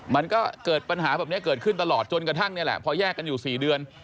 มันก็เกิดปัญหาแบบนี้เกิดขึ้นตลอดจนกระทั่งนี่แหละพอแยกกันอยู่๔เดือน